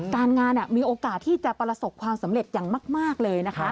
การงานมีโอกาสที่จะประสบความสำเร็จอย่างมากเลยนะคะ